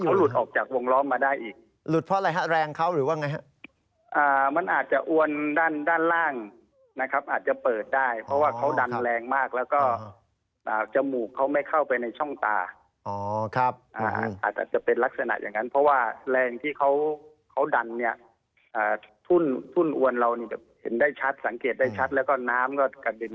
ผู้แรงที่เขาเขาดันเนี่ยอ่ะทุ่นทุ่นอวิโดยเราเนี่ยเห็นได้ชัดสังเกตได้ชัดแล้วก็น้ำก็กระดิน